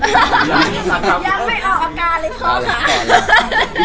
ยังไม่ออกอาการเลยพ่อขา